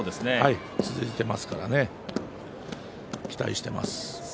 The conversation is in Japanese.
続いていますから期待をしています。